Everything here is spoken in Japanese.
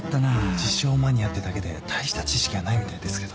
自称マニアってだけで大した知識はないみたいですけど。